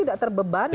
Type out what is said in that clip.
tidak terbebani ya